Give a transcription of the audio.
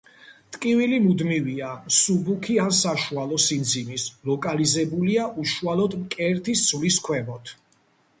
ტკივილი მუდმივია, მსუბუქი ან საშუალო სიმძიმის, ლოკალიზებულია უშუალოდ მკერდის ძვლის ქვემოთ.